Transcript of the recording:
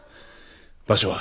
場所は？